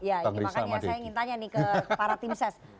ya ini makanya saya ingin tanya nih ke para tim ses